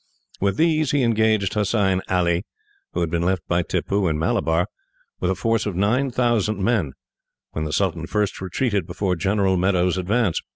With these, he engaged Hossein Ali, who had been left by Tippoo in Malabar, with a force of 9000 men, when the sultan first retreated before General Meadows' advance.